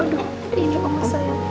aduh ini omah sayang